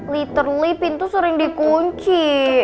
literally pintu sering dikunci